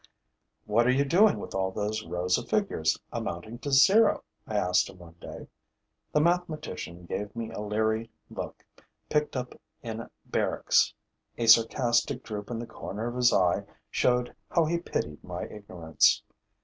'What are you doing with all those rows of figures amounting to zero?' I asked him one day. The mathematician gave me a leery look, picked up in barracks. A sarcastic droop in the corner of his eye showed how he pitied my ignorance.